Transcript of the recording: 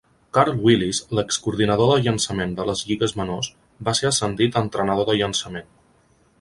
Carl Willis, l'ex-coordinador de llançament de les Lligues menors, va ser ascendit a entrenador de llançament.